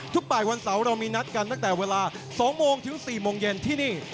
บ่ายวันเสาร์เรามีนัดกันตั้งแต่เวลา๒โมงถึง๔โมงเย็นที่นี่